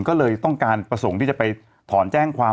ก็เลยต้องการประสงค์ที่จะไปถอนแจ้งความ